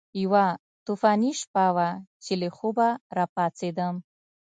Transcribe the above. یوه طوفاني شپه وه چې له خوبه راپاڅېدم.